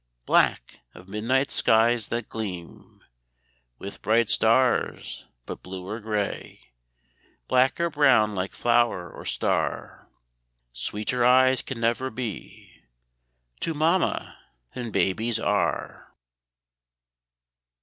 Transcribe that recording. Black of midnight skies that gleam With bright stars. But blue or gray, Black or brown, like flower or star, Sweeter eyes can never be To mamma than baby's are.